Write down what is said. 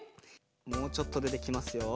もうちょっとでできますよ。